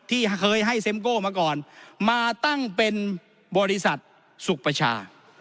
ที่เคยให้เซ็มโก้มาก่อนมาตั้งเป็นบริษัทสุขประชา